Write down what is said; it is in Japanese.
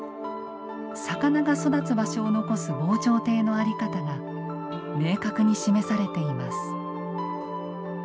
魚が育つ場所を残す防潮堤の在り方が明確に示されています。